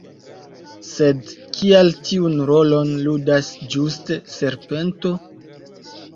Sed kial tiun rolon ludas ĝuste serpento?